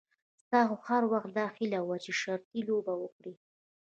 ستا خو هر وخت داهیله وه چې شرطي لوبه وکړې.